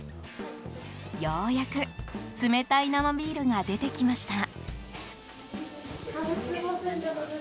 ようやく冷たい生ビールが出てきました。